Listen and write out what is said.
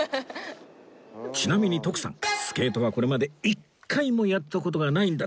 ちなみに徳さんスケートはこれまで一回もやった事がないんだとか